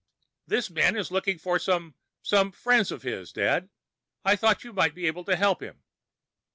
"This man is looking for some some friends of his, Dad. I thought you might be able to help him."